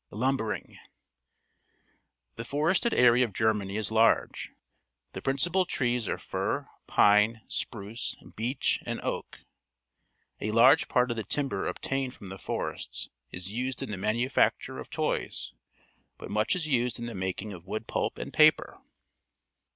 Lumbering. — The forested area of Ger many is large. The principal trees are fir, pine, spruce, beech, and oak. A large part of the timber obtained from the forests is used in the manufacture of toys, but much is used in the making of wood pulp and paper.